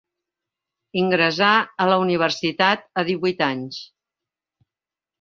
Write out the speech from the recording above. Ingressà a la universitat a divuit anys.